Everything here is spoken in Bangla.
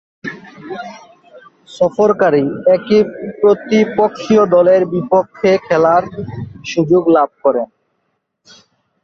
সফরকারী একই প্রতিপক্ষীয় দলের বিপক্ষে খেলার সুযোগ লাভ করেন।